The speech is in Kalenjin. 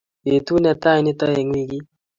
betut ne tai nito eng' wikit